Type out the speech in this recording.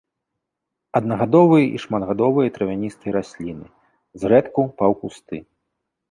Аднагадовыя і шматгадовыя травяністыя расліны, зрэдку паўкусты.